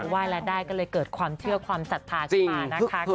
ไหว้แล้วได้ก็เลยเกิดความเชื่อความศรัทธาขึ้นมานะคะ